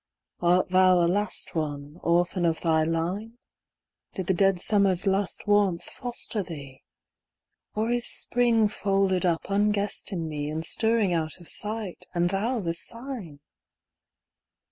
Art thou a last one, orphan of thy line ? Did the dead summer's last warmth foster thee ? Or is Spring folded up unguessed in me, And stirring out of sight, — and thou the sign